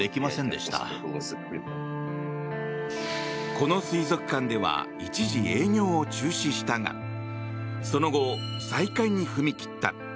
この水族館では一時営業を中止したがその後、再開に踏み切った。